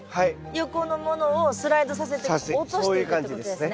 横のものをスライドさせて落としていくってことですね。